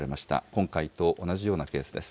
今回と同じようなケースです。